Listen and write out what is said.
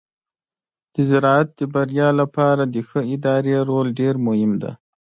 د زراعت د بریا لپاره د ښه ادارې رول ډیر مهم دی.